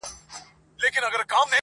ستا د يادو لپاره.